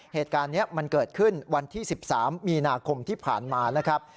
เหตุการณ์นี้มันเกิดขึ้นวันที่๑๓มีนาคมที่ผ่านมานะครับ